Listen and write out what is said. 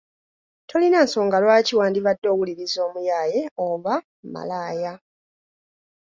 Tolina nsonga lwaki wandibadde owuliriza omuyaaye oba malaaya!